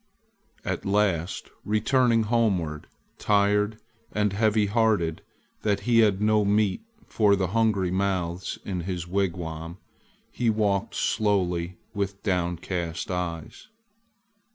At last returning homeward, tired and heavy hearted that he had no meat for the hungry mouths in his wigwam, he walked slowly with downcast eyes.